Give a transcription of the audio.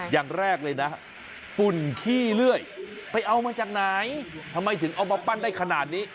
อย่างแรกเลยนะฝุ่นขี้เลื่อยไปเอามาจากไหนทำไมถึงเอามาปั้นได้ขนาดนี้